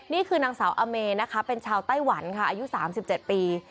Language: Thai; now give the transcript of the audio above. นี่คือนางสาวอเมนะคะเป็นชาวไต้หวันค่ะอายุ๓๗ปี